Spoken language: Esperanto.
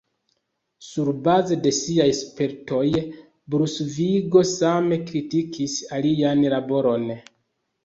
Surbaze de siaj spertoj, Brunsvigo same kritikis ilian laboron.